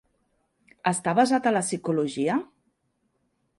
Està basat a la psicologia?